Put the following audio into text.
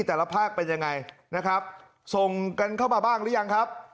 แต่ละภาคเป็นยังไงนะครับส่งกันเข้ามาบ้างหรือยังครับ